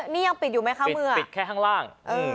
นี่ยังปิดอยู่ไหมคะเมื่อปิดแค่ข้างล่าง